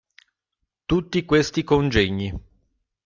Tutti questi congegni.